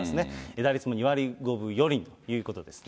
打率も２割５分４厘ということですね。